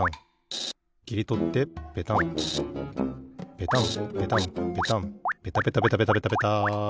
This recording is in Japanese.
ペタンペタンペタンペタペタペタペタペタ！